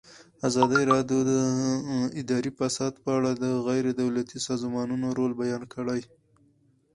ازادي راډیو د اداري فساد په اړه د غیر دولتي سازمانونو رول بیان کړی.